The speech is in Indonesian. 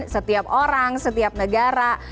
setiap orang setiap negara